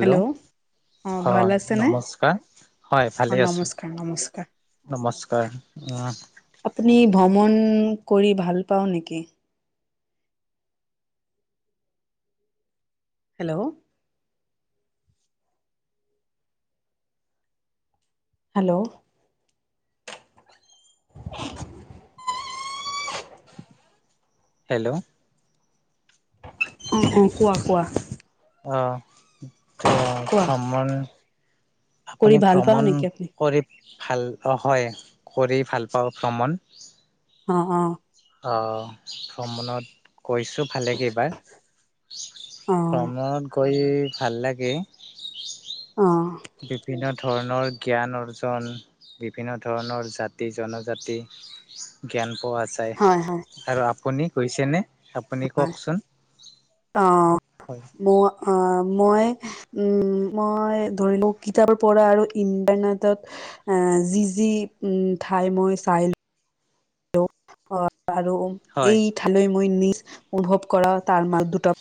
Hello. অ ভাল হয়, আছেনে নমস্কাৰ। হয় অ ভালে আছোঁ, নমস্কাৰ নমস্কাৰ নমস্কাৰ উম। আপুনি ভ্ৰমণ কৰি ভাল পাওঁ নেকি? হেল্ল'। হেল্ল'। [inaudible] হেল্ল'। উম, উম, কোৱা, কোৱা। অ'। অ', কোৱা ভ্ৰমণ কৰি আপুনি ভাল পাওঁ ভ্ৰমণ নেকি আপুনি কৰি ভাল অ', হয় কৰি ভাল পাওঁ ভ্ৰমণ। অ', অ'। অ', ভ্ৰমণত কৈছোঁ ভালে কেইবাৰ, অ ভ্ৰমণত গৈ ভাল লাগে। অ'। বিভিন্ন ধৰণৰ জ্ঞান অৰ্জন, বিভিন্ন ধৰণৰ জাতি-জনজাতি। জ্ঞান পোৱা যায়, হয় হয় আৰু আপুনি গৈছেনে? আপুনি হয় কওঁকচোন। অ', মোৰ অ', মই উম, মই ধৰি লওঁ, কিতাপৰ পঢ়া আৰু ইণ্টাৰনেটত এ, যি যি উম, ঠাই মই চাই ল অ', আৰু হয় এই ঠাইলৈ মই [unintelligible] অনুভৱ কৰা তাৰ [unintelligible]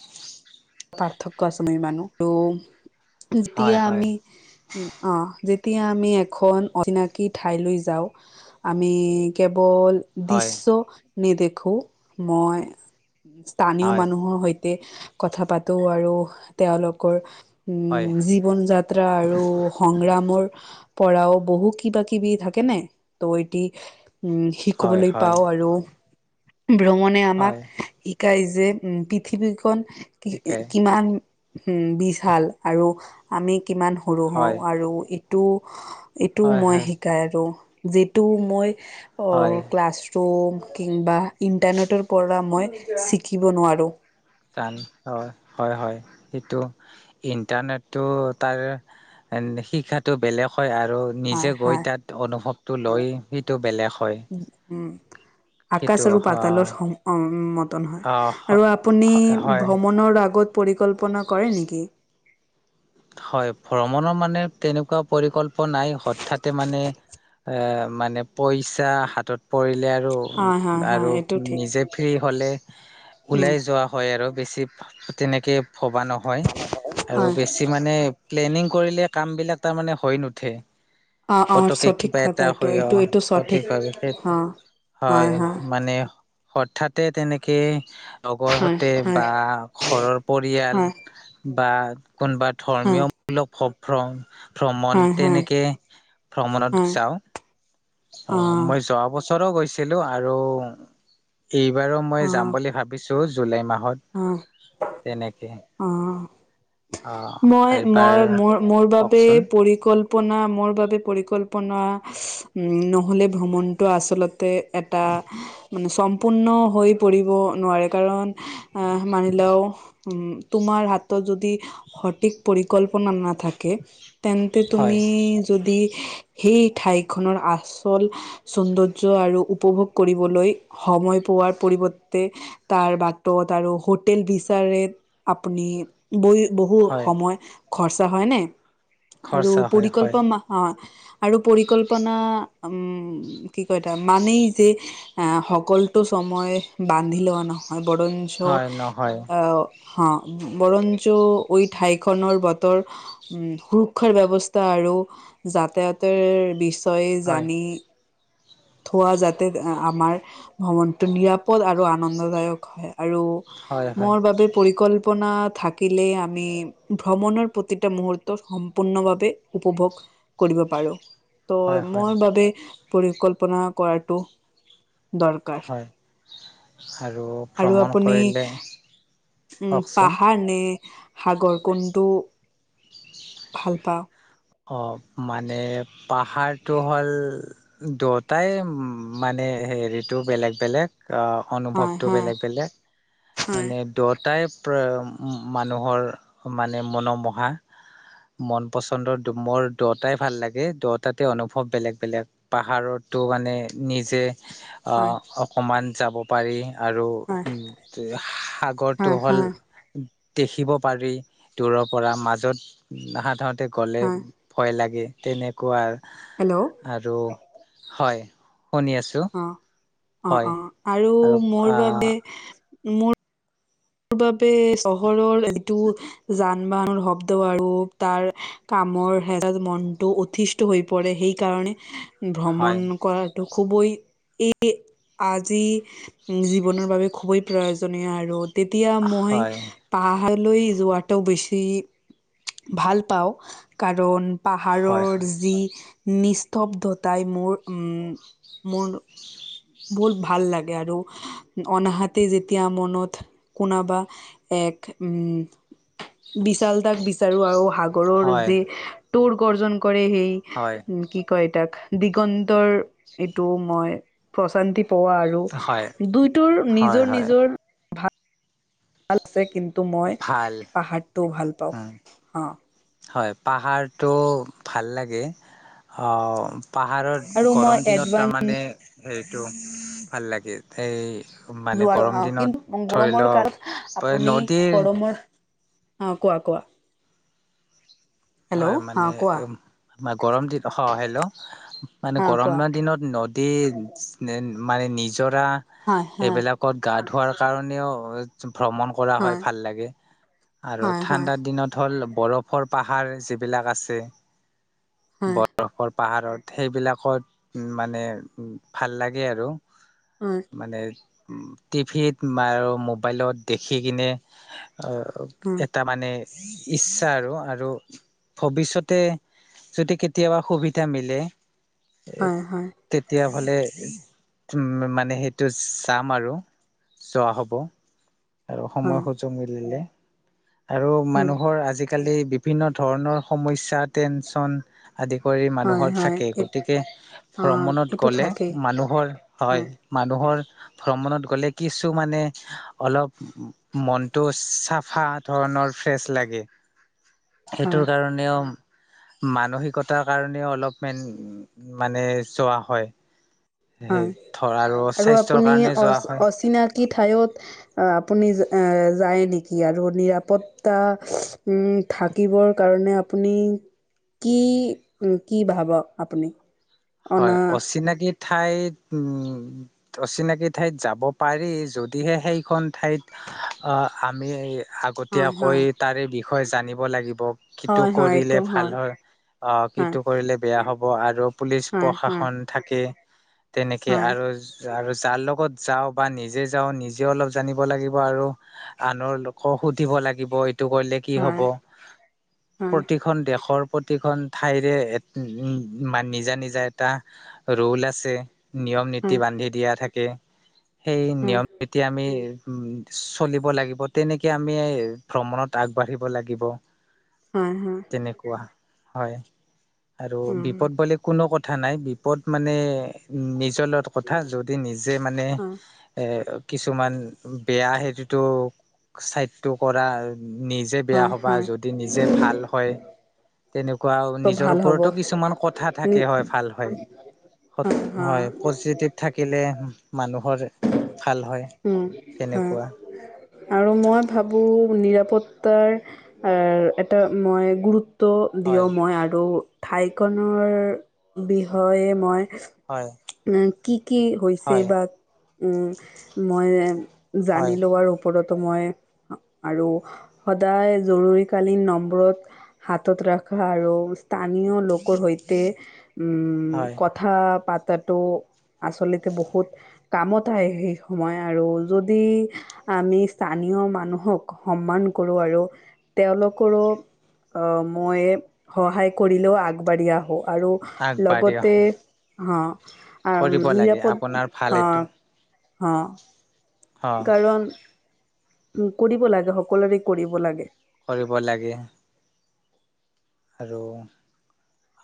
পাৰ্থক্য আছে মই মানো আৰু হয় যেতিয়া হয় আমি অ', যেতিয়া আমি এখন অচিনাকি ঠাইলৈ যাওঁ। আমি কেৱল হয় দৃশ্য নেদেখোঁ, মই স্থানীয় হয় মানুহৰ সৈতে তি কথা পাতো, আৰু তেওঁলোকৰ হয় উম, যি জীৱন যাত্ৰা আৰু সংগ্ৰামৰ পৰাও বহু কিবা-কিবি থাকেনে নাই, নৈতিক উম। হয় শিকিবলৈ হয় পাওঁ আৰু ভ্ৰমণে হয় আমাক শিকাই যে উম, পৃথিৱীখন কি ঠিকেই কিমান উম, বিশাল আৰু আমি কিমান সৰু হওঁ হয় আৰু এইটো এইটোও হয় মই হয় শিকা আৰু যিটো মই হয় অ', ক্লাছ ৰুম কিম্বা, ইণ্টাৰনেটৰ পৰা মই শিকিব নোৱাৰোঁ। টান হয়, হয়, হয়, সেইটো ইণ্টাৰনেটটো তাৰ নি শিক্ষাটো বেলেগ হয় আৰু হয় নিজে গৈ হয় তাত অনুভৱটো লৈ, সেইটো বেলেগ হয়। উম। আকাশ সেইটো আৰু পাতালৰ সম, মতন হয় আৰু আপুনি হয় ভ্ৰমণৰ আগত পৰিকল্পনা কৰে নেকি? হয়, ভ্ৰমণৰ মানে তেনেকুৱা পৰিকল্পনাই হঠাতে মানে এ, মানে পইচা হাতত পৰিলে আৰু হয় হয় হয় আৰু এইটো ঠিক নিজে ফ্ৰী হ'লে উম ওলাই যোৱা হয় আৰু বেছি তেনেকে ভবা নহয়। আৰু হয় বেছি মানে প্লেনিং কৰিলে, কামবিলাক তাৰমানে হৈ নুঠে। অ অ পতকে সঠিক কিবা কথা এটা এইটো হৈ এইটো অ', এইটো সঠিক ভাৱে, সেই অ হয়, মানে হঠাতে তেনেকে লগৰ হয় সৈতে হয় বা ঘৰৰ পৰিয়াল হয় বা কোনোবা হয় ধৰ্মীয় লগ সভ্ৰ ভ্ৰমণ হয় হয় তেনেকে ভ্ৰমণত হয় যাওঁ। অ', মই যোৱা বছৰো গৈছিলোঁ আৰু এইবাৰো মই যাম বুলি ভাবি বিছোঁ জুলাই মাহত। উম, তেনেকে উম। অ' মই, এইবাৰ মই মোৰ, মোৰ বাবে কওকচোন পৰিকল্পনা মোৰ বাবে পৰিকল্পনা উম, নহ'লে ভ্ৰমণটো আচলতে এটা মানে চম ম্পূৰ্ণ হৈ পৰিব নোৱাৰে, কাৰণ অহ, মানি লও উম, তোমাৰ হাতত যদি সঠিক পৰিকল্পনা নাথাকে, তেন্ তে হয়, তুমি যদি সেই ঠাইখনৰ আচল সৌন্দৰ্য আৰু উপভোগ কৰিবলৈ সময় পোৱাৰ পৰিৱৰ্তে তাৰ বাটত আৰু হোটেল বিচাৰে আপুনি বৈ বহু হয়, সময় খৰচা হয় নাই আৰু খৰচা হয়, পৰিকল্প হয়, অ' আৰু পৰিকল্পনা উম, কি কয় তাৰমানেই যে আ, সকলোতো সময় বান্ধি লোৱা নহ নহয়, বৰঞ্চ হয়, নহয়, এৱ, হা বৰঞ্চ ঐ ঠাইখনৰ বতৰ উম, সুৰক্ষাৰ ব্যৱস্থা আৰু যাতায়াতৰ বিষয় ছয় হয়, জানি থোৱা যাতে আমাৰ ভ্ৰমণটো নিৰাপদ আৰু আনন্দদায়ক হয়। আৰু হয়, হয়, মোৰ বাবে পৰিকল্পনা থাকিলে আম মি ভ্ৰমণৰ প্ৰতিটা মুহূৰ্ত সম্পূৰ্ণভাৱে উপভোগ কৰিব পাৰোঁ, হয়, ত' হয়, মোৰ বাবে পৰিকল্পনা কৰাটো দৰকাৰ। হয় আৰু আৰু ভ্ৰমণ আপুনি কৰিলে উম, কওকচোন পাহাৰ নে সাগৰ কোনটো ভাল পাওঁ? অ', মানে পাহাৰটো হ'ল দুয়োটাই মানে হেৰিটো বেলেগ বেলেগ। অ', হয়, অনুভৱটো হয়, বেলেগ বেলেগ, হয়, মানে দুয়োটাই প-মানুহৰ মানে মনোমোহা। মনপচন্দৰ মোৰ দুটাই ভাল লাগে, দুটাতে অনুভৱ বেলেগ বেলেগ। পাহাৰটো মানে নিজেই। হয়, অ', অকমান যাব পাৰি আৰু হয়, হয়, সাগৰটো হ'ল হয়, দেখিব পাৰি, দূৰৰ পৰা মাজত সাধাৰণতে গ'ল হয়, ভয় লাগে তেনেকুৱা। হেল্ল'। আৰু হয়, শুনি আছোঁ। অ', অ', অ', মোৰ আহ বাবে মোৰ বাবে চহৰৰ যিটো যান বাহনৰ শব্দ আৰু তাৰ কামৰ হে মনটো অথি তহৈ পৰে, সেই কাৰণে হয় ভ্ৰমণ কৰাৰ টো খুবই এই আজি জীৱনৰ বাবে খুবেই প্ৰায়জনীয় আৰু তেতিয়া মই হয় পাহাৰলৈ যোৱাটো বেছি ভাল পাওঁ, কাৰণ হয় পাহাৰৰ হয় যি নিস্তব্ধতাই মোৰ উম, মোৰ মন বহুত ভাল লাগে আৰু। অনহাতে, যেতিয়া মনত কোনবা এক উম বিশাল তাক বিচাৰো আৰু হাগ গৰৰ হয় যি টোৰ গৰ্জন কৰে সেই, হয় কি? কয় টাক, দিগন্তৰ এইটো মই প্ৰশান্তি পোৱা আৰু হয় দুইটোৰ হয় নিজৰ হয় নিজৰ ভাল আছে, কিন্তু মই ভাল পাহাৰটোও ভাল পাওঁ, উম অ' হয়, পাহাৰটো ভাল লাগে অ', পাহাৰত আৰু মই গৰম দিনত এডভান্স তাৰমানে হেৰিটো ভাল লাগে, সেই যোৱাৰ অ', কিন্তু গৰমৰ কাল আপুনি নদীৰ গৰমৰ অ', কোৱা কোৱা হয় হেল্ল' হা মানে, কোৱা উম মা গৰম দিন স, হেল্ল' মানে হা কোৱা গৰমৰ দিনত নদ টি নে মানে নিজৰা হা হা এইবিলাক কত গা ধোৱাৰ কাৰণেও ভ্ৰমণ ক কৰা হয়, ভাল লাগে আৰু হয় হয় ঠাণ্ডা দিনত হ'ল বৰফৰ পাহা হাৰ যিবিলাক আছে, হয় ব বৰফৰ পাহাৰত সেইবিলাকত মানে ভাল লাগে আৰু। উম। মানে, টিভিত আৰু মোবাইলত দেখি কিনে, আ উম এটা মানে ইচ্ছা আৰু আৰু ভৱিষ্যতে যদি কেতিয়াবা সুবিধা মিলে, এ হয় হয় তেতিয়া ফালে উম মানে সেইটো চাম আৰু। চোৱা হ'ব। আৰু সময় হয় সুযোগ মিলিলে আৰু উম মানুহৰ আজিকালি বি ভিন্ন ধৰণৰ সমস্যা টেনচন আদি কৰি হয় মানুহৰ হয় থাকে, গতিকে অ ভ্ৰমণত এইটো গ'লে থাকেই মানুহৰ, হয় মানুহৰ ভ্ৰমণত গ'লে, কিছু মানে অলপ মনতটো চাফা ধৰণৰ ফ্ৰেচ লাগে, হয় সেইটোৰ কাৰণ নেও মানসিকতাৰ কাৰণেও অলপ মেন মানে যোৱা হয়। হয় সেই ধৰ আৰু স্বাস্থ্যৰ আপুনি কাৰণে যোৱা হয় অচ-অচিনাকি থায়ত আ-আপুনি যায় নেকি আৰু নিৰাপদ তা উম থাকিবৰ কাৰণে আপুনি কি কি ভাবক আপোনি? হয়, অচিনাকি ঠাইত উম অচিনাকি ঠাইত যাব পাৰি যদিহে, সেইখন ঠাইত আ-আমি হয় আগতীয়াকৈ হয় তাৰে বিষয়ে জানিব লাগিব। কিটো হয় হয় কৰিলে এইটো ভাল হয়, অ', হয় কিটো কৰিলে বেয়া হব আৰু পুলিচ হয় হয় প্ৰশাসন থাকে, তেনেকে হয় আৰু য যাৰু যাৰ লগত যাওঁ বা নিজে যাওঁ নিজেও অলপ জানিব লাগিব আৰু আনৰ লোকক সুধিব লাগিব এইটো কৰিলে কি হব, হয় হয় প্ৰতি প্ৰতিখন দেশৰ প্ৰতিখন ঠাইৰে মান নিজা নিজা এটা ৰোল আছে, নিয়ম নীতি হয় বান্ধি দিয়া থাকে। সেই হয় নিয়ম নীতিয়া আমি উ চলিব লাগিব, তেনেকে আমি ভ্ৰমণত আগবাঢ়িব লাগিব। হয় হয়। তেনেকুৱ হয় আৰু উম বিপদ বুলি কোনো ক থা নাই, বিপদ মানে নিজৰ লগত কথা যদি নিজে মানে হয় এ কিছুমান বেয়া সেইটোতো চাইডটো কৰা নিজ নিজে বেয়া হয় হ'বা, হয় যদি নিজে ভাল হয় তেনেকুৱা ত নিজৰ ভাল হ'ব ওপৰতো কিছুমান কথা নি থাকে হয় ভাল হয়, হা হত হা হয়। পজিটিভ থাকিলে মানুহৰ ভাল হয়। উম তেনেকুৱা হয়, আৰু মই ভাবোঁ নিৰাপদ তাই আ এটা মই গুৰুত্ব দিয় হয় মই আ ত ঠাইখনৰ বিষয়ে মই হয়। কি কি হৈছে হয় বা উম মই হয় জানিলো আৰু ওপৰতো মই আৰু সদায় জৰুৰীকালীন নম্বৰত হাতত ৰাখা আৰু স্থানীয় লোকৰ সৈতে উম হয় কথা পতাটো আচলতে বহুত কামত আহ সেই সময় আৰু যদি আমি স্থানীয় মানুহক সন্মান কৰো আৰু তেওঁলোকৰো অহ মই সহায় কৰিলেও আগবাঢ়ি আহো আৰু আগবাঢ়ি লগতে আহে অ আম কৰিব লাগে নিৰাপদ আপোনাৰ ভাল এইটো অহ অ অ কাৰণ উ কৰিব লাগে সকলোৰে কৰিব লাগে। কৰিব লাগে। আৰু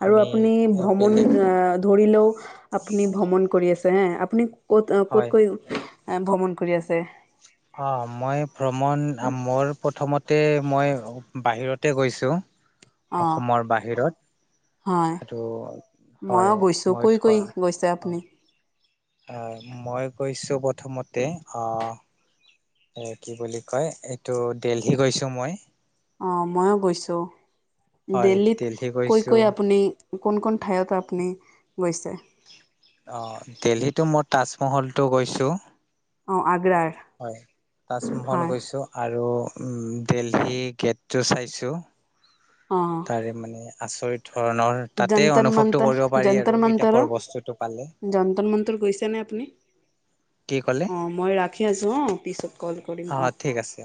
আৰু আমি আপোনি ভ্ৰমণ বেলেগ আহ ধৰিলেও আপুনি ভ্ৰমণ কৰি আছে হা আপুনি ক'ত হয় ক'তকৈ ভ্ৰমণ কৰি আছে। অ মই ভ্ৰমণ মোৰ প্ৰথমতে মই বাহিৰতে গৈছোঁ। [unintelligible] অসমৰ বাহিৰত। হয়, আৰু হয় ময়ো গৈছোঁ মই কৈ থ কৈ গৈছে আপুনি? হয় মই গৈছোঁ প্ৰথমতে আ এ কি বুলি কয় এইটো দেলহি গৈছো মই। অ মইো গৈছো, হয় দিল্লীত দেলহি কৈ গৈছো কৈ আপুনি কোন কোন ঠাইত আপুনি গৈছে? অ দেলহীতো মই তাজমহলটো গৈছো। অঁ আগ্ৰাৰ। হয়, তাজমহল হয় গৈছোঁ। আৰু দেলহি গেটটো চাইছোঁ, অ তাৰে মানে আচৰিত ধৰণৰ তাতেই যন্তৰ অনুভৱটো মন্তৰ কৰিব পাৰি আৰু কিতাপৰ বস্তুটো পালে। যন্ত্ৰন মন্ত্ৰ গৈছে নে আপুনি? কি ক'লে অ মই ৰাখি আছো হা পিছত কল কৰিম অঁ অ ঠিক আছে।